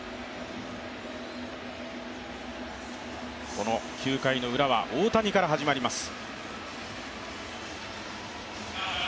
この９回のウラは大谷から始まります。